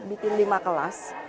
bikin lima kelas